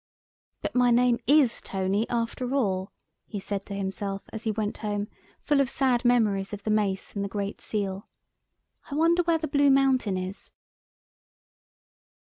] "But my name is Tony after all," he said to himself as he went home, full of sad memories of the Mace and the Great Seal. "I wonder where the Blue Mountain is?"